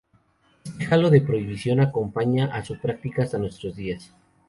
Este halo de prohibición acompaña a su práctica hasta nuestros días.